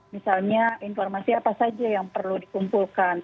misalnya informasi apa saja yang perlu dikumpulkan